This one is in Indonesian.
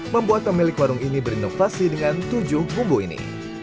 membuat pemilik warung ini berinovasi dengan tujuh bumbu ini